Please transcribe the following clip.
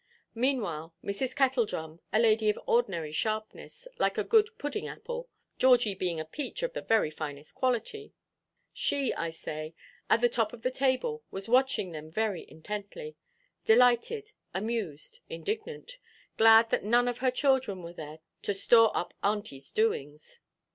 Meanwhile Mrs. Kettledrum, a lady of ordinary sharpness, like a good pudding–apple—Georgie being a peach of the very finest quality—she, I say, at the top of the table was watching them very intently—delighted, amused, indignant; glad that none of her children were there to store up Auntieʼs doings.